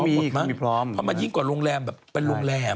หมดมั้งเพราะมันยิ่งกว่าโรงแรมแบบเป็นโรงแรม